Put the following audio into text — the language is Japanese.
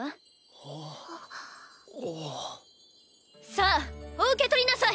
さあお受け取りなさい！